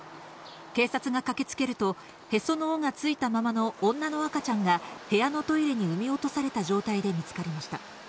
警察が駆けつけると、へその緒がついたままの女の赤ちゃんが、部屋のトイレに産み落とされた状態で見つかりました。